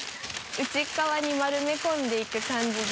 内側に丸め込んでいく感じで。